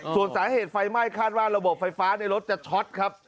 ส่วนสาเหตุไฟไหม้คาดว่าระบบไฟฟ้าในรถจะช็อตครับ